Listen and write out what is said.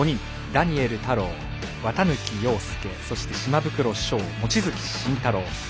ダニエル太郎、綿貫陽介そして島袋将、望月慎太郎。